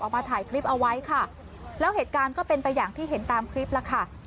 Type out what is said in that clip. มาถ่ายคลิปเอาไว้ค่ะแล้วเหตุการณ์ก็เป็นไปอย่างที่เห็นตามคลิปแล้วค่ะ